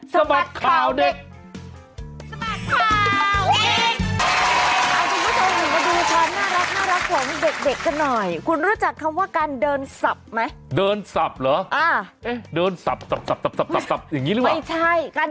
สบัดข่าวเด็ก